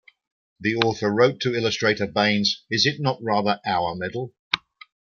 The author wrote to illustrator Baynes, is it not rather 'our' medal?